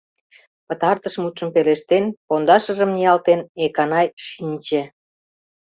Пытартыш мутшым пелештен, пондашыжым ниялтен, Эканай шинче.